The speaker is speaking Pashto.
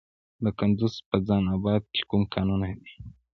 د کندز په خان اباد کې کوم کانونه دي؟